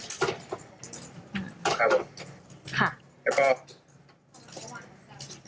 ครับผมแล้วก็แล้วก็ความว่างของเสื้อ